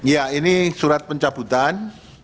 ya ini surat pencabutan